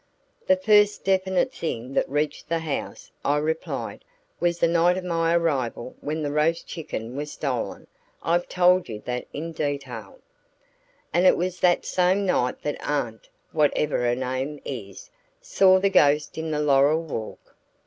"The first definite thing that reached the house," I replied, "was the night of my arrival when the roast chicken was stolen I've told you that in detail." "And it was that same night that Aunt What Ever Her Name Is saw the ghost in the laurel walk?"